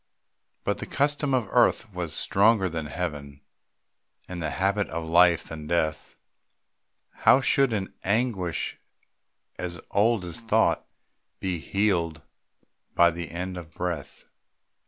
But the custom of earth was stronger than Heaven, And the habit of life than death, How should an anguish as old as thought Be healed by the end of breath?